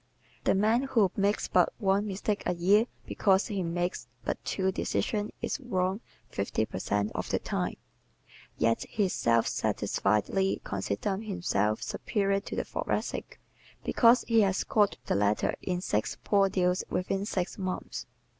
The man who makes but one mistake a year because he makes but two decisions is wrong fifty per cent of the time. Yet he self satisfiedly considers himself superior to the Thoracic because he has caught the latter in six "poor deals within six months."